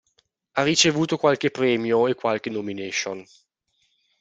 Ha ricevuto qualche premio e qualche nomination.